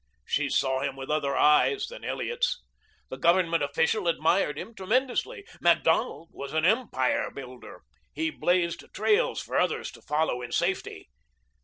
She saw him with other eyes than Elliot's. The Government official admired him tremendously. Macdonald was an empire builder. He blazed trails for others to follow in safety.